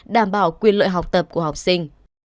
đảm bảo quyền lợi học tập của học sinh